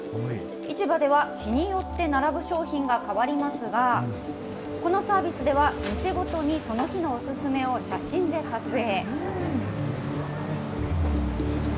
市場では日によって並ぶ商品が変わりますが、このサービスでは、店ごとにその日のおすすめを写真で撮影。